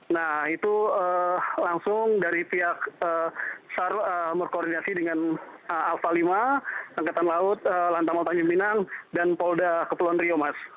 nah itu langsung dari pihak sar merkoordinasi dengan alfa lima angkatan laut lantaman tanjung minang dan polda kepulauan rio mas